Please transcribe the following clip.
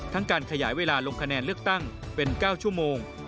การขยายเวลาลงคะแนนเลือกตั้งเป็น๙ชั่วโมง